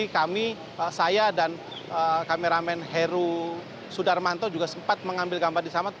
kameramen heru sudarmanto juga sempat mengambil gambar di sana